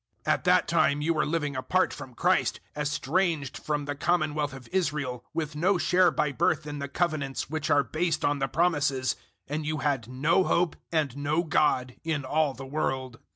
002:012 At that time you were living apart from Christ, estranged from the Commonwealth of Israel, with no share by birth in the Covenants which are based on the Promises, and you had no hope and no God, in all the world.